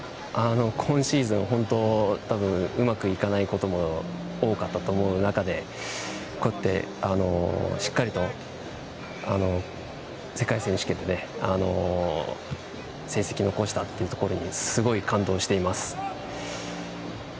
今シーズン、本当多分、うまくいかないことも多かったと思う中でこうやって、しっかりと世界選手権で成績を残したというところにすごい感動しています。